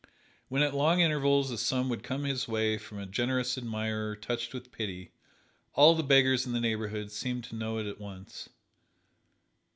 When at long intervals a sum would come his way from a generous admirer touched with pity, all the beggars in the neighborhood seemed to know it at once.